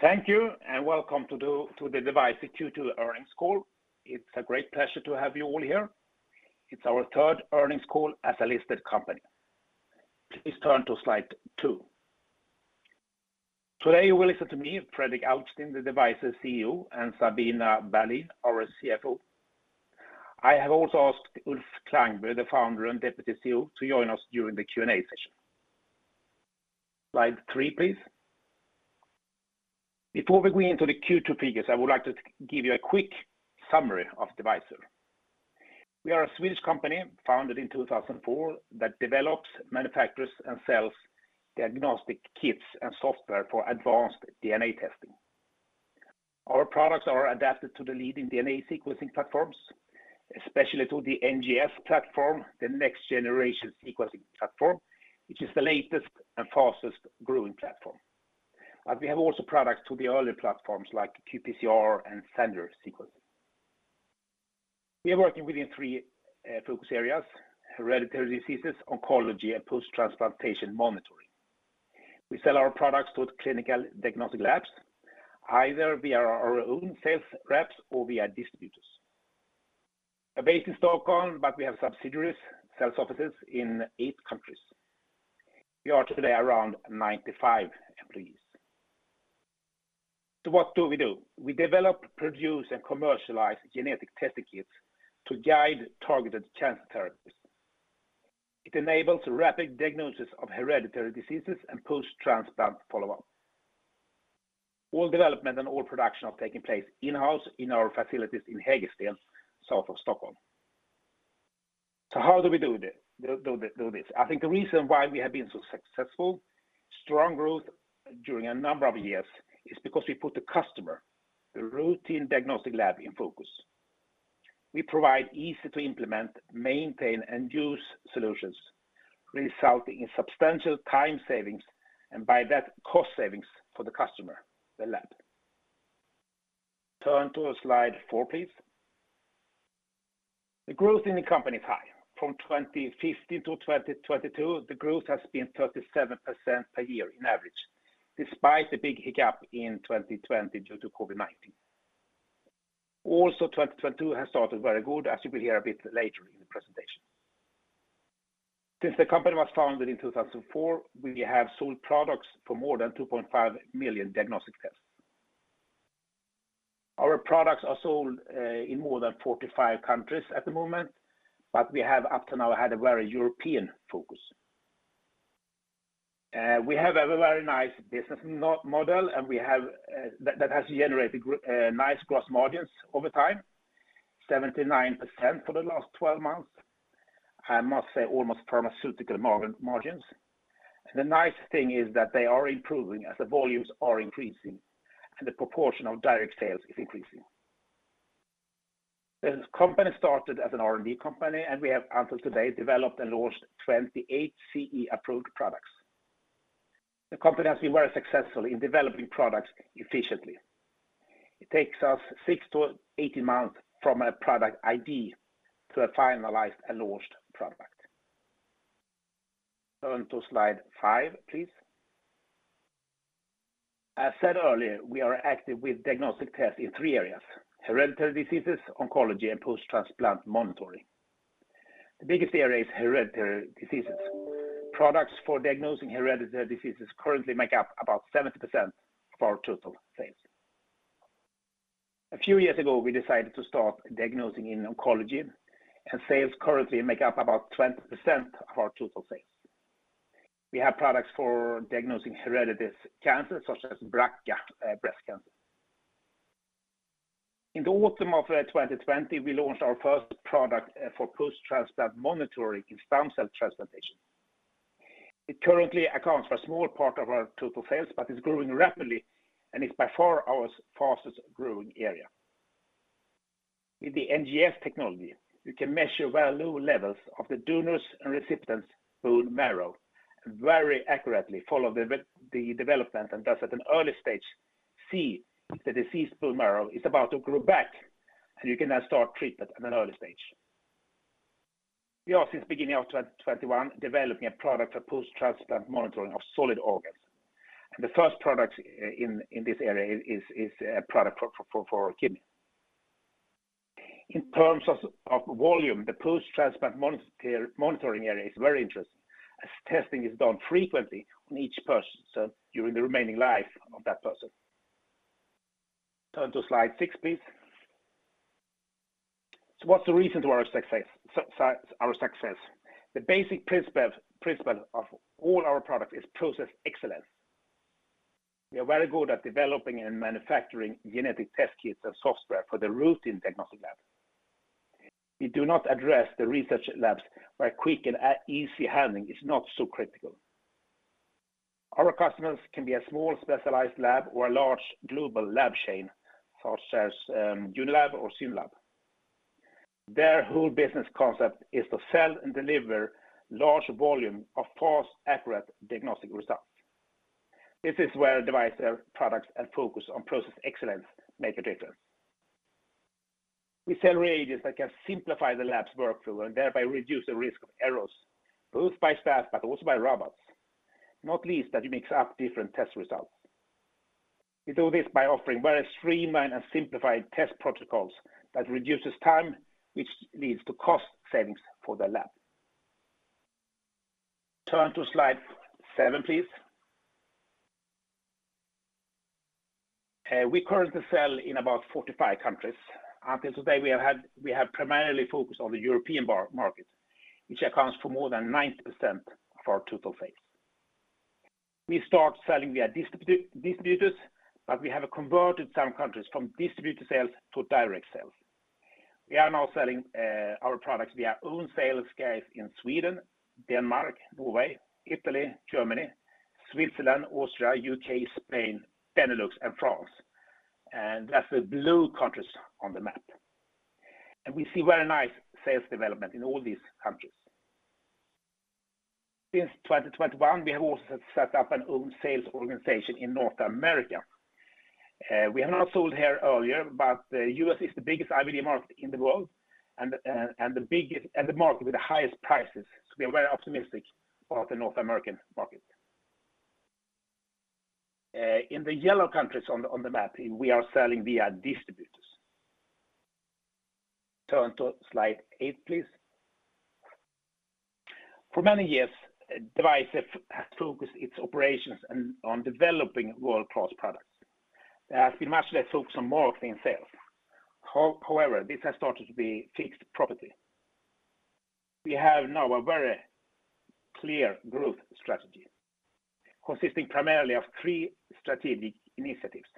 Thank you and welcome to the Devyser Q2 earnings call. It's a great pleasure to have you all here. It's our third earnings call as a listed company. Please turn to slide two. Today, you will listen to me, Fredrik Alpsten, the Devyser CEO, and Sabina Berlin, our CFO. I have also asked Ulf Klangby, the founder and deputy CEO, to join us during the Q&A session. Slide three, please. Before we go into the Q2 figures, I would like to give you a quick summary of Devyser. We are a Swedish company founded in 2004 that develops, manufactures, and sells diagnostic kits and software for advanced DNA testing. Our products are adapted to the leading DNA sequencing platforms, especially to the NGS platform, the next generation sequencing platform, which is the latest and fastest-growing platform. We have also products to the early platforms like qPCR and standard sequencing. We are working within three focus areas, hereditary diseases, oncology, and post-transplantation monitoring. We sell our products to the clinical diagnostic labs, either via our own sales reps or via distributors. We're based in Stockholm, but we have subsidiaries, sales offices in eight countries. We are today around 95 employees. What do we do? We develop, produce, and commercialize genetic testing kits to guide targeted cancer therapies. It enables rapid diagnosis of hereditary diseases and post-transplant follow-up. All development and all production are taking place in-house in our facilities in Hägersten, south of Stockholm. How do we do this? I think the reason why we have been so successful, strong growth during a number of years, is because we put the customer, the routine diagnostic lab in focus. We provide easy-to-implement, maintain, and use solutions, resulting in substantial time savings, and by that, cost savings for the customer, the lab. Turn to slide four, please. The growth in the company is high. From 2015 to 2022, the growth has been 37% per year on average, despite the big hiccup in 2020 due to COVID-19. Also, 2022 has started very well, as you will hear a bit later in the presentation. Since the company was founded in 2004, we have sold products for more than 2.5 million diagnostic tests. Our products are sold in more than 45 countries at the moment, but we have up to now had a very European focus. We have a very nice business model, and that has generated nice gross margins over time, 79% for the last 12 months. I must say almost pharmaceutical margins. The nice thing is that they are improving as the volumes are increasing and the proportion of direct sales is increasing. The company started as an R&D company, and we have until today developed and launched 28 CE-approved products. The company has been very successful in developing products efficiently. It takes us 6-18 months from a product ID to a finalized and launched product. Turn to slide five, please. As said earlier, we are active with diagnostic tests in 3 areas, hereditary diseases, oncology, and post-transplant monitoring. The biggest area is hereditary diseases. Products for diagnosing hereditary diseases currently make up about 70% of our total sales. A few years ago, we decided to start diagnosing in oncology, and sales currently make up about 20% of our total sales. We have products for diagnosing hereditary cancers, such as BRCA breast cancer. In the autumn of 2020, we launched our first product for post-transplant monitoring in stem cell transplantation. It currently accounts for a small part of our total sales, but it's growing rapidly, and it's by far our fastest-growing area. With the NGS technology, we can measure very low levels of the donor's and recipient's bone marrow and very accurately follow the development, and thus at an early stage, see the diseased bone marrow is about to grow back, and you can now start treatment at an early stage. We are, since beginning of 2021, developing a product for post-transplant monitoring of solid organs. The first product in this area is a product for kidney. In terms of volume, the post-transplant monitoring area is very interesting, as testing is done frequently on each person, so during the remaining life of that person. Turn to slide six, please. What's the reason to our success? The basic principle of all our products is process excellence. We are very good at developing and manufacturing genetic test kits and software for the routine diagnostic lab. We do not address the research labs where quick and easy handling is not so critical. Our customers can be a small specialized lab or a large global lab chain, such as Unilabs or Synlab. Their whole business concept is to sell and deliver large volume of fast, accurate diagnostic results. This is where Devyser products and focus on process excellence make a difference. We sell reagents that can simplify the lab's workflow and thereby reduce the risk of errors, both by staff but also by robots. Not least that it makes up different test results. We do this by offering very streamlined and simplified test protocols that reduces time, which leads to cost savings for the lab. Turn to slide seven, please. We currently sell in about 45 countries. Up until today, we have primarily focused on the European market, which accounts for more than 90% of our total sales. We start selling via distributors, but we have converted some countries from distributor sales to direct sales. We are now selling our products via own sales guys in Sweden, Denmark, Norway, Italy, Germany, Switzerland, Austria, U.K., Spain, Benelux, and France. That's the blue countries on the map. We see very nice sales development in all these countries. Since 2021, we have also set up an own sales organization in North America. We have not sold here earlier, but U.S. is the biggest IVD market in the world and the biggest. The market with the highest prices. We are very optimistic about the North American market. In the yellow countries on the map, we are selling via distributors. Turn to slide eight, please. For many years, Devyser has focused its operations on developing world-class products. There has been much less focus on marketing sales. However, this has started to be fixed properly. We have now a very clear growth strategy consisting primarily of three strategic initiatives.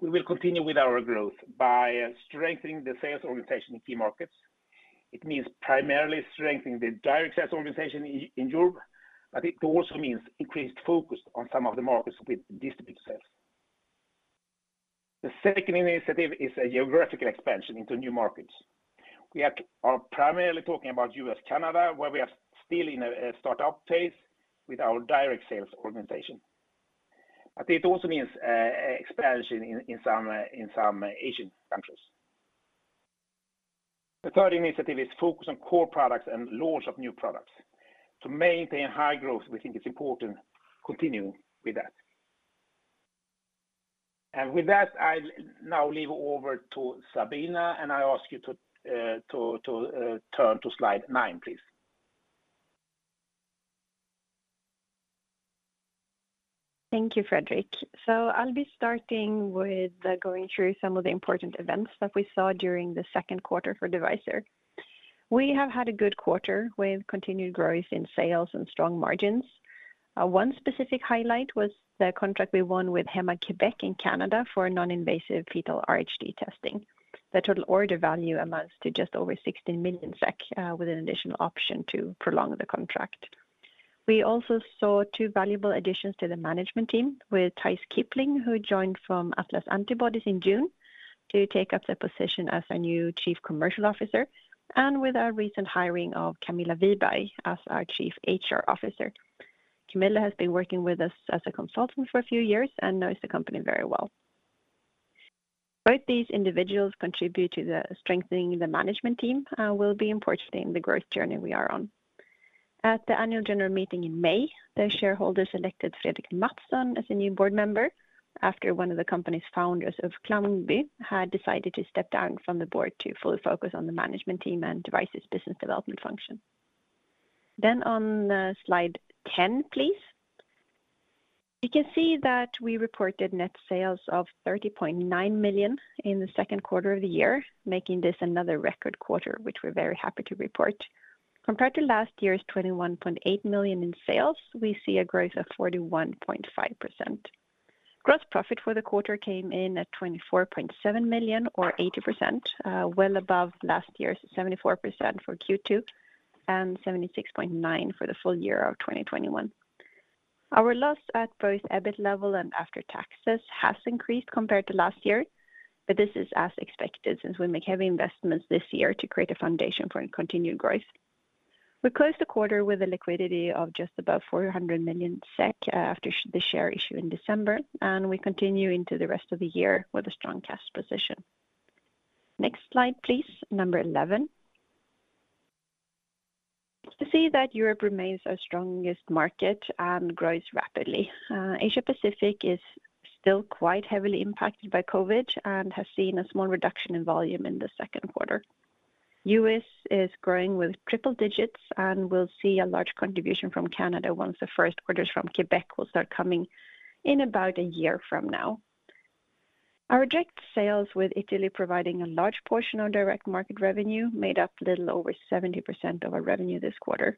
We will continue with our growth by strengthening the sales organization in key markets. It means primarily strengthening the direct sales organization in Europe, but it also means increased focus on some of the markets with distributor sales. The second initiative is a geographical expansion into new markets. We are primarily talking about U.S., Canada, where we are still in a start-up phase with our direct sales organization. It also means expansion in some Asian countries. The third initiative is focus on core products and launch of new products. To maintain high growth, we think it's important continue with that. With that, I'll now hand over to Sabina, and I ask you to turn to slide nine, please. Thank you, Fredrik. I'll be starting with going through some of the important events that we saw during the second quarter for Devyser. We have had a good quarter with continued growth in sales and strong margins. One specific highlight was the contract we won with Héma-Québec in Canada for a non-invasive fetal RHD testing. The total order value amounts to just over 16 million SEK, with an additional option to prolong the contract. We also saw two valuable additions to the management team with Theis Kipling, who joined from Atlas Antibodies in June to take up the position as a new Chief Commercial Officer, and with our recent hiring of Camilla Wiberg as our Chief HR Officer. Camilla has been working with us as a consultant for a few years and knows the company very well. Both these individuals contribute to the strengthening of the management team, will be important in the growth journey we are on. At the annual general meeting in May, the shareholders elected Fredrik Mattsson as a new board member after one of the company's founders, Ulf Klangby, had decided to step down from the board to fully focus on the management team and Devyser's business development function. On slide 10, please. You can see that we reported net sales of 30.9 million in the second quarter of the year, making this another record quarter, which we're very happy to report. Compared to last year's 21.8 million in sales, we see a growth of 41.5%. Gross profit for the quarter came in at 24.7 million or 80%, well above last year's 74% for Q2 and 76.9% for the full year of 2021. Our loss at both EBIT level and after taxes has increased compared to last year, but this is as expected since we make heavy investments this year to create a foundation for a continued growth. We closed the quarter with a liquidity of just above 400 million SEK after the share issue in December, and we continue into the rest of the year with a strong cash position. Next slide, please. Number eleven. To see that Europe remains our strongest market and grows rapidly. Asia Pacific is still quite heavily impacted by COVID and has seen a small reduction in volume in the second quarter. U.S. is growing with triple digits, and we'll see a large contribution from Canada once the first orders from Quebec will start coming in about a year from now. Our direct sales with Italy providing a large portion of direct market revenue made up a little over 70% of our revenue this quarter.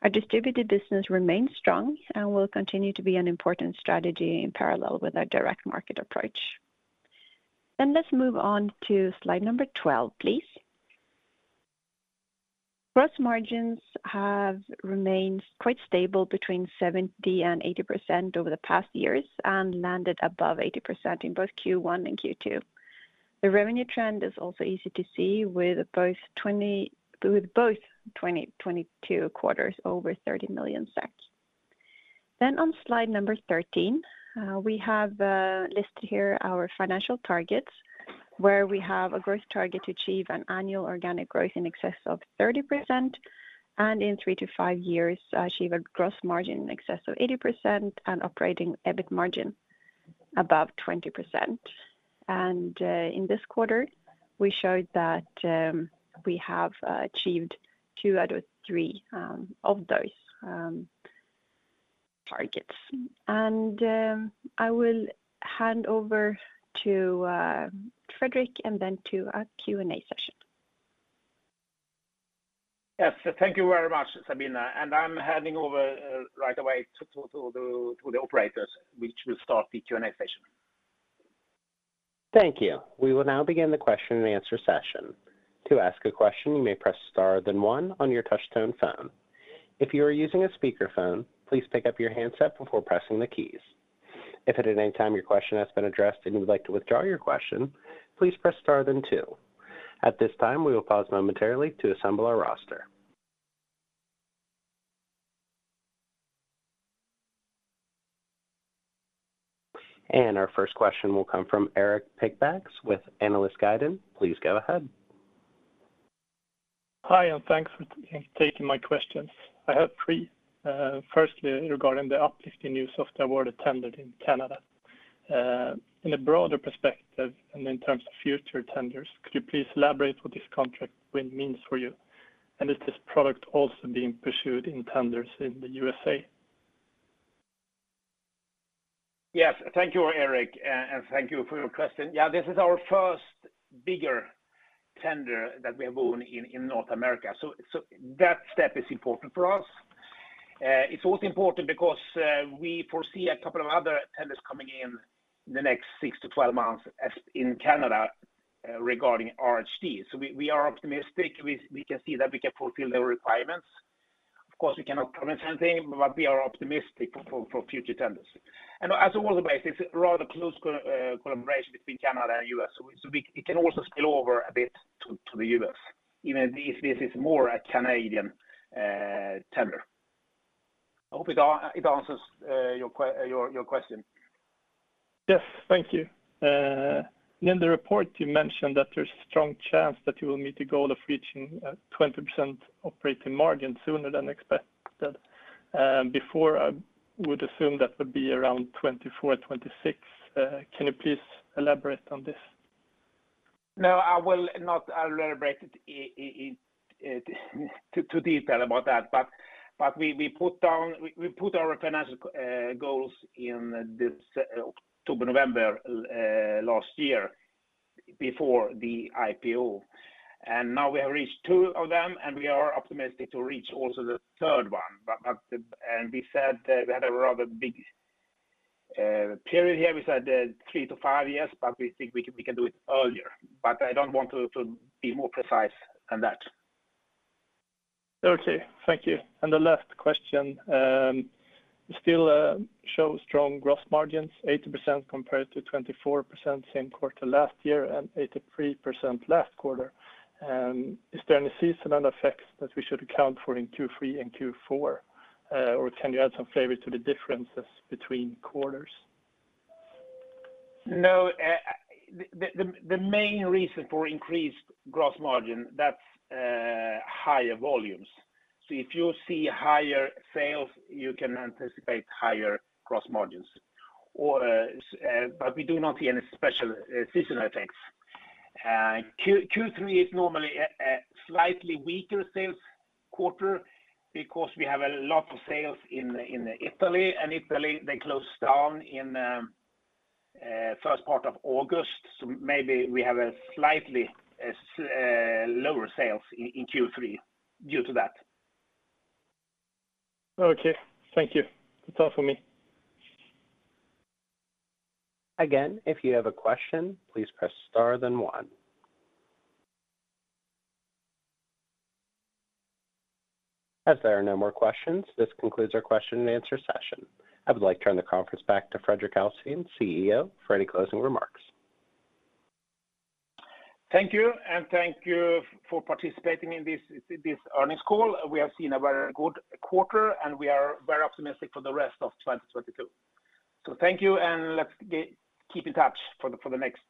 Our distributed business remains strong and will continue to be an important strategy in parallel with our direct market approach. Let's move on to slide number 12, please. Gross margins have remained quite stable between 70% and 80% over the past years and landed above 80% in both Q1 and Q2. The revenue trend is also easy to see with both 2022 quarters over 30 million. On slide number 13, we have listed here our financial targets, where we have a growth target to achieve an annual organic growth in excess of 30% and in 3-5 years achieve a gross margin in excess of 80% and operating EBIT margin above 20%. In this quarter, we showed that we have achieved two out of three of those targets. I will hand over to Fredrik and then to our Q&A session. Yes. Thank you very much, Sabina. I'm handing over right away to the operators, which will start the Q&A session. Thank you. We will now begin the question and answer session. To ask a question, you may press star then one on your touch tone phone. If you are using a speaker phone, please pick up your handset before pressing the keys. If at any time your question has been addressed and you would like to withdraw your question, please press star then two. At this time, we will pause momentarily to assemble our roster. Our first question will come from Erik Moberg with Analyst Group. Please go ahead. Hi, thanks for taking my questions. I have three. Firstly, regarding the exciting new software award attained in Canada. In a broader perspective and in terms of future tenders, could you please elaborate what this contract win means for you? Is this product also being pursued in tenders in the U.S.A? Yes. Thank you, Erik, and thank you for your question. Yeah. This is our first bigger tender that we have won in North America. That step is important for us. It's also important because we foresee a couple of other tenders coming in the next 6-12 months as in Canada regarding RHD. We are optimistic. We can see that we can fulfill the requirements. Of course, we cannot promise anything, but we are optimistic for future tenders. As worldwide, it's rather close collaboration between Canada and U.S. It can also spill over a bit to the U.S., even if this is more a Canadian tender. I hope it answers your question. Yes. Thank you. In the report, you mentioned that there's strong chance that you will meet the goal of reaching 20% operating margin sooner than expected. Before I would assume that would be around 2024-2026. Can you please elaborate on this? No, I will not elaborate it to detail about that. We put our financial goals in this October, November last year before the IPO. Now we have reached two of them, and we are optimistic to reach also the third one. We said that we had a rather big period here. We said three to five years, but we think we can do it earlier. I don't want to be more precise than that. Okay. Thank you. The last question, you still show strong gross margins, 80% compared to 24% same quarter last year and 83% last quarter. Is there any seasonal effects that we should account for in Q3 and Q4? Or can you add some flavor to the differences between quarters? No, the main reason for increased gross margin, that's higher volumes. If you see higher sales, you can anticipate higher gross margins. We do not see any special seasonal effects. Q3 is normally a slightly weaker sales quarter because we have a lot of sales in Italy. Italy, they close down in first part of August. Maybe we have slightly lower sales in Q3 due to that. Okay. Thank you. That's all for me. Again, if you have a question, please press star then one. As there are no more questions, this concludes our question and answer session. I would like to turn the conference back to Fredrik Alpsten, CEO, for any closing remarks. Thank you. Thank you for participating in this earnings call. We have seen a very good quarter, and we are very optimistic for the rest of 2022. Thank you, and let's keep in touch for the next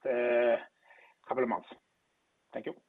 couple of months. Thank you.